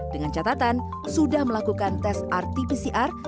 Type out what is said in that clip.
dengan catatan sudah melakukan tes rt pcr